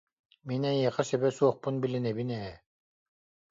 Мин эйиэхэ сөбө суохпун билинэбин ээ